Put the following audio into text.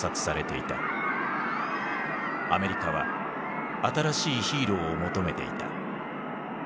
アメリカは新しいヒーローを求めていた。